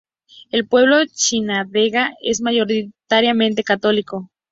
El pueblo de Chinandega es mayoritariamente católico.